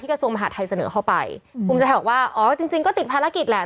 ที่กระทรวงมหาทัยเสนอเข้าไปผมเฉพาะว่าอ๋อจริงจริงก็ติดภารกิจแหละ